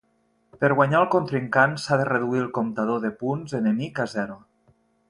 Per guanyar el contrincant s'ha de reduir el comptador de punts enemic a zero.